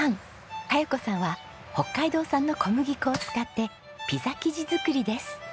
香葉子さんは北海道産の小麦粉を使ってピザ生地作りです。